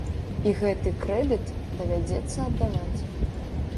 І гэты крэдыт давядзецца аддаваць.